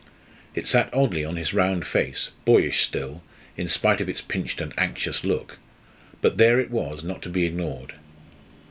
It sat oddly on his round face boyish still, in spite of its pinched and anxious look but there it was, not to be ignored.